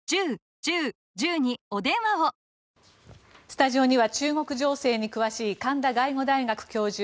スタジオには中国情勢に詳しい神田外語大学教授